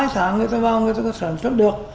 hai tháng người ta vào người ta có sản xuất được